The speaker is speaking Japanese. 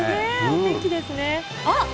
天気ですね。